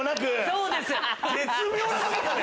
そうです。